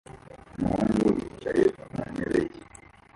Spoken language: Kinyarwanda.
umuhungu yicaye ku ntebe ye